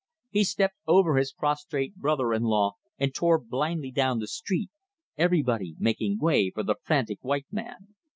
He stepped over his prostrate brother in law and tore blindly down the street, everybody making way for the frantic white man.